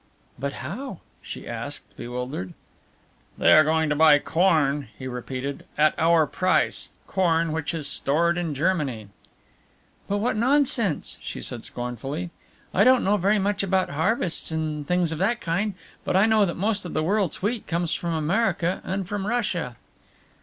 "But how?" she asked, bewildered. "They are going to buy corn," he repeated, "at our price, corn which is stored in Germany." "But what nonsense!" she said scornfully, "I don't know very much about harvests and things of that kind, but I know that most of the world's wheat comes from America and from Russia."